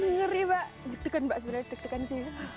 ngeri mbak deg degan mbak sebenarnya deg degan sih